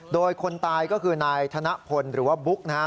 โดยคนตายก็คือนายธนพลหรือว่าบุ๊กนะครับ